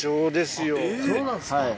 そうなんですか。